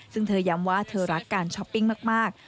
ซึ่งเธอย้ำว่าเธอรักการช้อปปิ้งมาก